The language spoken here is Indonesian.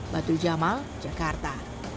batu jamal jakarta